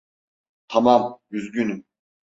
Tamam, üzgünüm.